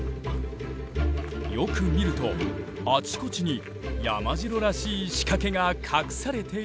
よく見るとあちこちに山城らしい仕掛けが隠されていた。